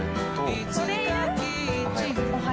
いつかキッチンを